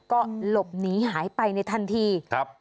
ก็หลบหนีหายไปในทันทีครับ